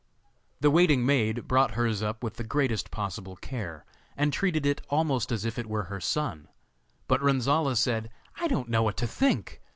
The waiting maid brought hers up with the greatest possible care, and treated it almost as if it were her son. But Renzolla said: 'I don't know what to think.